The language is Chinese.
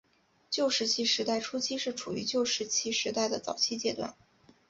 旧石器时代初期是处于旧石器时代的早期阶段。